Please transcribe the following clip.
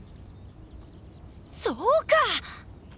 そうか！